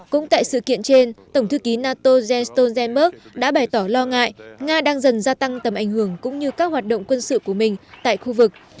cũng tại sự kiện trên tổng thư ký nato jens stolzenmerg đã bày tỏ lo ngại nga đang dần gia tăng tầm ảnh hưởng cũng như các hoạt động quân sự của mình tại khu vực